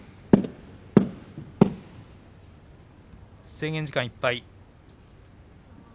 制限時間いっぱい。